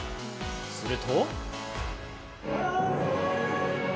すると。